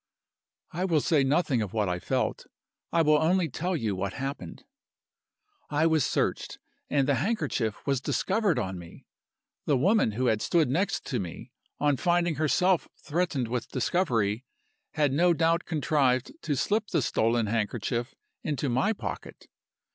"I will say nothing of what I felt I will only tell you what happened. "I was searched, and the handkerchief was discovered on me. The woman who had stood next to me, on finding herself threatened with discovery, had no doubt contrived to slip the stolen handkerchief into my pocket.